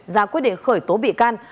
giả quyết để khởi tố bị can